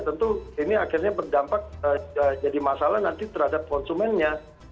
tentu ini akhirnya berdampak jadi masalah nanti terhadap konsumennya